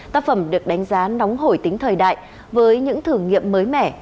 tác phẩm được đánh giá nóng hổi tính thời đại với những thử nghiệm mới mẻ